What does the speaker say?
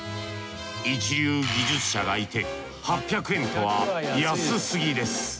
一流技術者がいて８００円とは安すぎです。